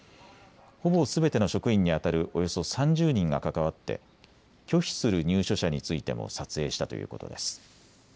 ほぼすべての職員にあたるおよそ３０人が関わって拒否する入所者についても撮影したということです。